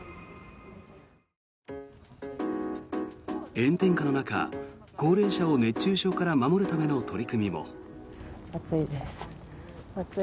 炎天下の中高齢者を熱中症から守るための取り組みも。